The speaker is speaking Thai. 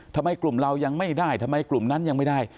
ทำไมกลุ่มเรายังไม่ได้ทำไมกลุ่มนั้นยังไม่ได้